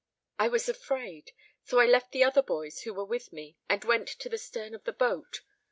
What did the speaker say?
I was afraid, so I left the other boys who were with me and went to the stern of the boat.